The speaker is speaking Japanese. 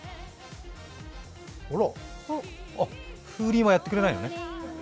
あら、風鈴はやってくれないのね？